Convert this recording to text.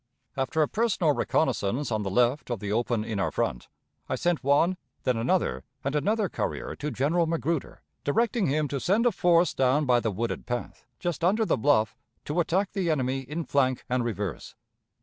After a personal reconnaissance on the left of the open in our front, I sent one, then another, and another courier to General Magruder, directing him to send a force down by the wooded path, just under the bluff, to attack the enemy in flank and reverse.